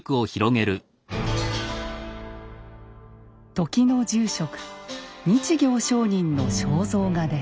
時の住職日堯上人の肖像画です。